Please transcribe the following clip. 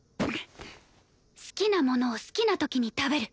好きなものを好きな時に食べる。